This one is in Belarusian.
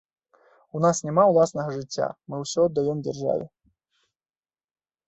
У нас няма ўласнага жыцця, мы ўсё аддаём дзяржаве.